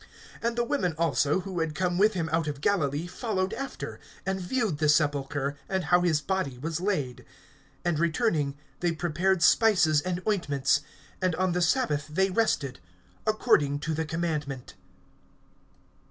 (55)And the women also, who had come with him out of Galilee, followed after, and viewed the sepulchre, and how his body was laid. (56)And returning, they prepared spices and ointments; and on the sabbath they rested, according to the commandment.